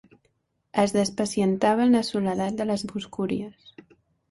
Es despacientava en la soledat de les boscúries.